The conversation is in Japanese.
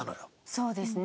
そうですね。